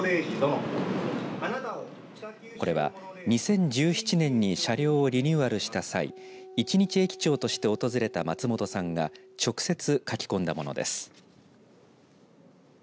これは２０１７年に車両をリニューアルした際１日駅長として訪れた松本さんが直接書き込んだものです。